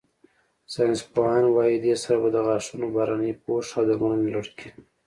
ساینسپوهان وايي، دې سره به د غاښونو بهرني پوښ او درملنې لړ کې